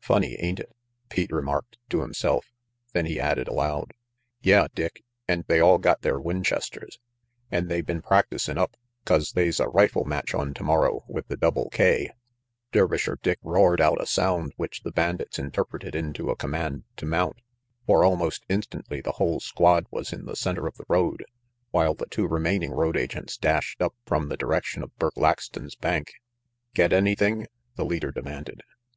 "Funny, ain't it?" Pete remarked to himself; then he added aloud, "Yeah, Dick; an' they all got their Winchesters, an' they been practicin' up 'cause they's a rifle match on tomorrow with the Double K " Dervisher Dick roared out a sound which the bandits interpreted into a command to mount, for almost instantly the whole squad was in the center of the road, while the two remaining road agents dashed up from the direction of Burk Laxton's bank. "Get anything?" the leader demanded.